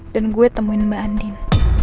dan gue temuin mbak andin